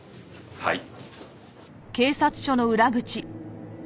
はい。